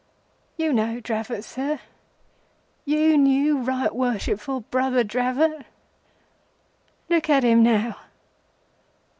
You knew Dravot, sir! You knew Right Worshipful Brother Dravot! Look at him now!"